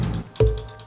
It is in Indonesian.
kalo diambil semua